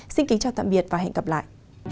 xin kính chào và hẹn gặp lại